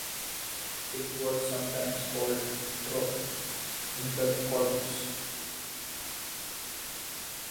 It was sometimes called Thorpe in the Clottes.